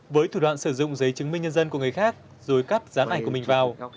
với thủ đoạn sử dụng giấy chứng minh nhân dân của người khác rồi cắt dán ảnh của mình vào